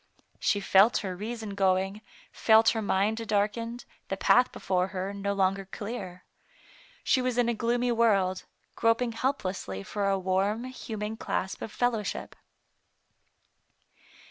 She felt her reason going, felt her mind darkened, the path before her no longer clear. She was in a gloomy world, groping helplessly for a warm, human clasp of fellowship.